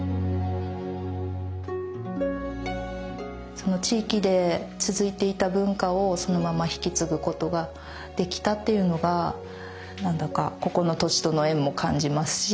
その地域で続いていた文化をそのまま引き継ぐことができたっていうのが何だかここの土地との縁も感じますし